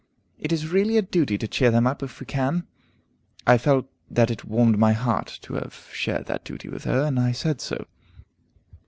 It is really a duty to cheer them up, if we can." I felt that it warmed my heart to have shared that duty with her, and I said so.